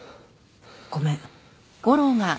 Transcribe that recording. ごめん。